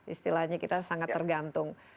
istilahnya kita sangat tergantung